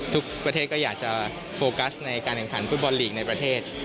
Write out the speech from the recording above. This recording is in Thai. ทุกประเทศก็อยากจะโฟกัสในการแข่งขันฟุตบอลลีกในประเทศ